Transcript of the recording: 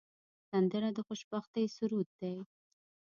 سندره د خوشبختۍ سرود دی